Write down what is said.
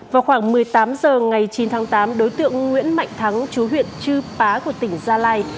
vào khoảng một mươi tám h ngày chín tháng tám đối tượng nguyễn mạnh thắng chú huyện chư pá của tỉnh gia lai